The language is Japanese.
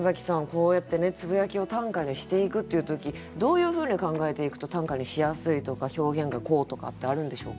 こうやってねつぶやきを短歌にしていくっていう時どういうふうに考えていくと短歌にしやすいとか表現がこうとかってあるんでしょうか？